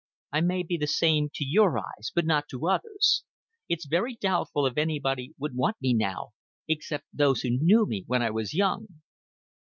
I may be the same to your eyes but not to others. It's very doubtful if anybody would want me now except those who knew me when I was young."